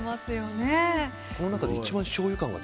この中で一番しょうゆ感が